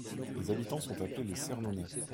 Les habitants sont appelés les Cernonnais.